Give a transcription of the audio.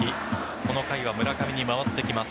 この回は村上に回ってきます。